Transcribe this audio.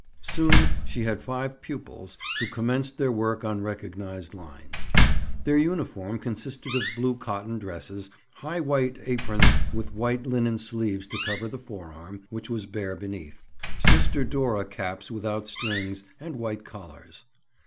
Soon she had five pupils, who commenced their work on recognized lines. Their uniform consisted of blue cotton dresses, high white aprons with white linen sleeves to cover the forearm, which was bare beneath, 'Sister Dora' caps without strings, and white collars.